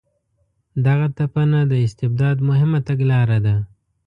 دغه تپنه د استبداد مهمه تګلاره ده.